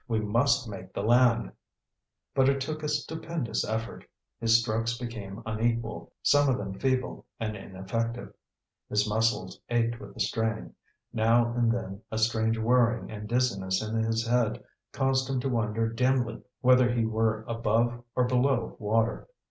"We must make the land!" But it took a stupendous effort. His strokes became unequal, some of them feeble and ineffective; his muscles ached with the strain; now and then a strange whirring and dizziness in his head caused him to wonder dimly whether he were above or below water.